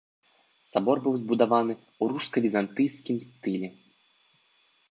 Сабор быў збудаваны ў руска-візантыйскім стылі.